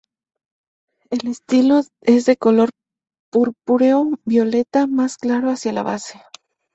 El estilo es de color purpúreo-violeta, más claro hacia la base.